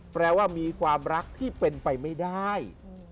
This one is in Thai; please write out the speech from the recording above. แปลว่ามีความรักที่เป็นไปไม่ได้